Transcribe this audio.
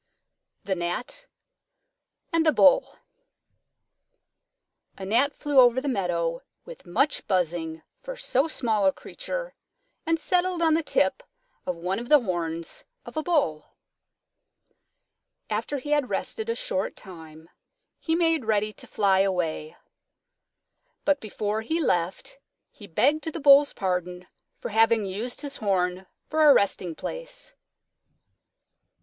_ THE GNAT AND THE BULL A Gnat flew over the meadow with much buzzing for so small a creature and settled on the tip of one of the horns of a Bull. After he had rested a short time, he made ready to fly away. But before he left he begged the Bull's pardon for having used his horn for a resting place.